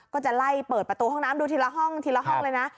ก็จะไล่เปิดประตูห้องน้ำดูทีละห้องทีละห้องเลยนะ